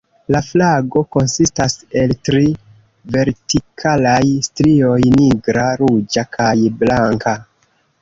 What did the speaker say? La flago konsistas el tri vertikalaj strioj: nigra, ruĝa kaj blanka.